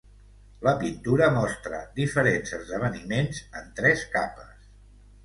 La pintura mostra diferents esdeveniments en tres capes.